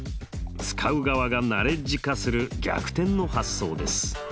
使う側がナレッジ化する逆転の発想です。